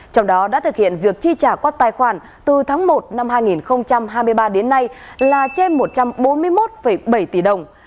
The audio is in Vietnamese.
trong đó đã thực hiện việc chi trả quát tài khoản từ tháng một năm hai nghìn hai mươi ba đến nay là trên một trăm bốn mươi một bảy tỷ đồng